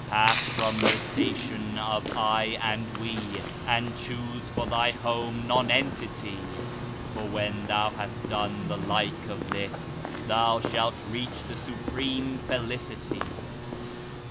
Pass from the station of "I" and "We," and choose for thy home Nonentity, For when thou has done the like of this, thou shalt reach the supreme Felicity.